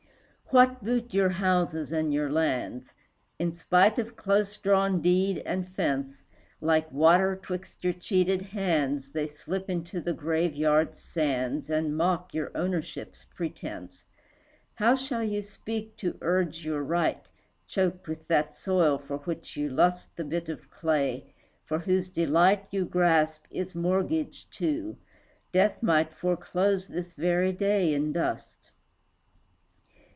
What boot your houses and your lands? In spite of close drawn deed and fence, Like water, 'twixt your cheated hands, They slip into the graveyard's sands And mock your ownership's pretence. How shall you speak to urge your right, Choked with that soil for which you lust The bit of clay, for whose delight You grasp, is mortgaged, too; Death might Foreclose this very day in dust.